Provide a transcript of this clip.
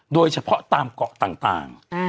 โดยเฉพาะตามเกาะต่าง